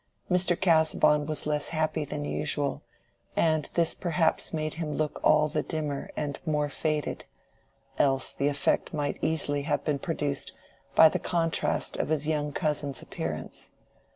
Mr. Casaubon was less happy than usual, and this perhaps made him look all the dimmer and more faded; else, the effect might easily have been produced by the contrast of his young cousin's appearance.